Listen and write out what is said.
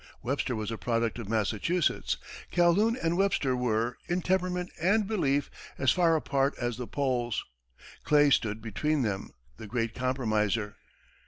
Webster was a product of Massachusetts. Calhoun and Webster were, in temperament and belief, as far apart as the poles; Clay stood between them, "the great compromiser."